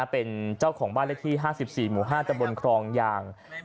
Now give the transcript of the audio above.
เป็นเจ้าของบ้านเลขที่๕๔หมู่๕ตะบนครองยาง